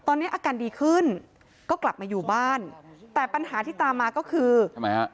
ตอนนี้อาการดีขึ้นก็กลับมาอยู่บ้านแต่ปัญหาที่ตามมาก็คือทำไมฮะ